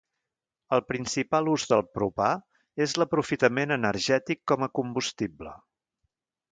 El principal ús del propà és l'aprofitament energètic com a combustible.